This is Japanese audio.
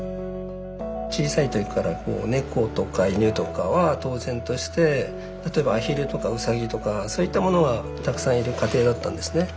小さい時から猫とか犬とかは当然として例えばアヒルとかウサギとかそういったものがたくさんいる家庭だったんですね。